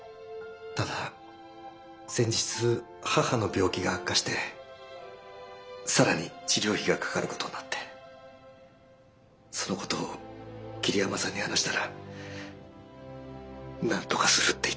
ただ先日母の病気が悪化して更に治療費がかかることになってそのことを桐山さんに話したらなんとかするって言ってくれて。